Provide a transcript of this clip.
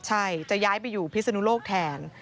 ใช่จะย้ายไปอยู่พิศนุโลกแทน